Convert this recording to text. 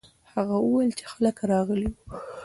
هغه وویل چې خلک راغلي وو.